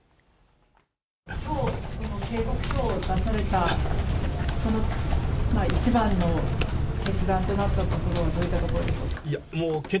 きょう警告書を出された、その一番の決断となったところは、どういったところでしょうか。